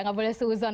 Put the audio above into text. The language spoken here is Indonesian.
tidak boleh sehuzon